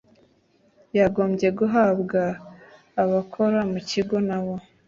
yagombye guhabwa abakora mu kigo n abo